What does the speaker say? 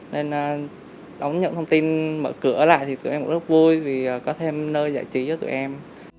nên đón nhận thông tin mở cửa lại thì tụi em cũng rất vui vì có thêm nơi giải trí cho tụi em